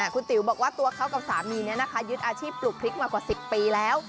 คุณติ๋วบอกว่าตัวเขากับสามียึดอาชีพปลูกพริกมากว่า๑๐ปีแล้ว